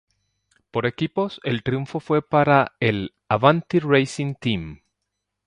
Por equipos el triunfo fue para el Avanti Racing Team.